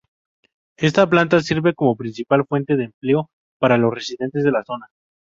Ésta planta sirve como principal fuente de empleo para los residentes de la zona.